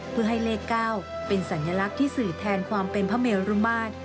เพื่อให้เลข๙เป็นสัญลักษณ์ที่สื่อแทนความเป็นพระเมรุมาตร